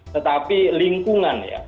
tetapi lingkungan ya